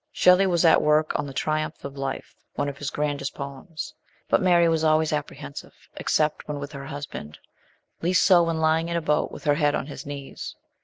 Shelley was at work on the Triumph of Life, one of his grandest poems ; but Mary was always apprehensive except when with her husband, least so when lying in a boat with her head on his knees.